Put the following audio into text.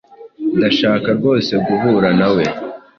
Ndashaka rwose guhura nawe.